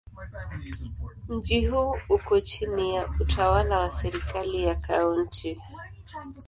Mji huu uko chini ya utawala wa serikali ya Kaunti.